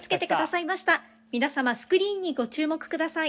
皆さまスクリーンにご注目ください。